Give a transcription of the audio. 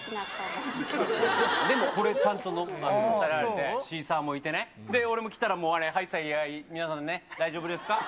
でも、これ、ちゃんと看板もあって、シーサーもいてね、で、俺も来たら、はいさい、皆さんね、大丈夫ですか？